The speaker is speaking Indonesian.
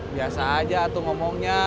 biasa saja tuh ngomongnya